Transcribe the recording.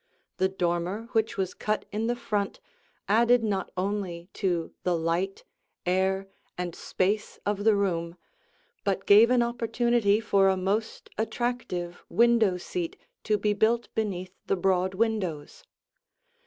The dormer which was cut in the front added not only to the light, air, and space of the room, but gave an opportunity for a most attractive window seat to be built beneath the broad windows.